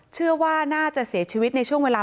เชื่อว่าน่าจะเสียชีวิตในช่วงเวลา